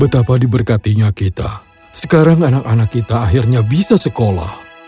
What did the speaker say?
betapa diberkatinya kita sekarang anak anak kita akhirnya bisa sekolah